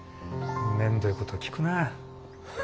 めんどいこと聞くなぁ。